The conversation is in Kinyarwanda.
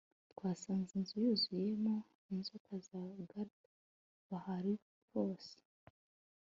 Twasanze inzu yuzuyemo inzoka za garter Barahari hose